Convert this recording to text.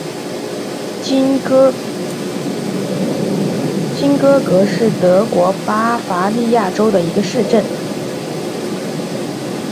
金钦格是德国巴伐利亚州的一个市镇。